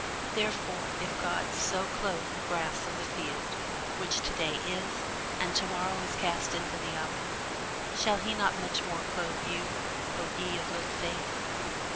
Wherefore, if God so clothe the grass of the field, which to day is, and to morrow is cast into the oven, shall he not much more clothe you, O ye of little faith?